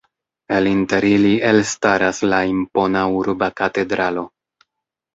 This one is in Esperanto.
El inter ili elstaras la impona urba katedralo.